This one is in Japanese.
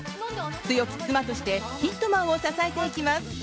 強き妻としてヒットマンを支えていきます。